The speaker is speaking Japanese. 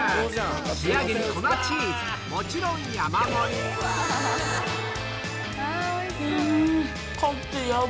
仕上げに粉チーズもちろん山盛りうん！